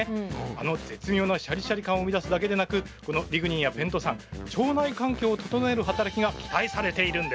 あの絶妙なシャリシャリ感を生み出すだけでなくこのリグニンやペントサン腸内環境を整える働きが期待されているんです。